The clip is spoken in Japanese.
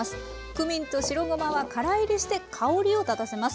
クミンと白ごまはからいりして香りを立たせます。